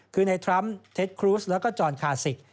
คือในทรัมป์เท็จครูสแล้วก็จอนคาสิก